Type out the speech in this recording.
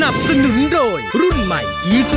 ขอร้องได้ไข่ร้าน